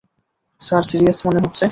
Sir, serious মনে হচ্ছে।